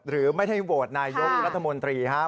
หรือไม่ได้โหวตนายกรัฐมนตรีครับ